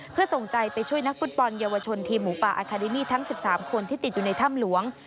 เพื่อส่งใจไปช่วยนักฟุตบอลเยาวชนทีมหมูป่าอาคาเดมี่ทั้ง๑๓คนที่ติดอยู่ในถ้ำหลวง